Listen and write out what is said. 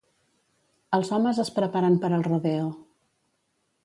Els homes es preparen per al rodeo.